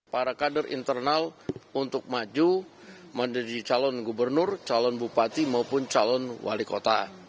para kader internal untuk maju menjadi calon gubernur calon bupati maupun calon wali kota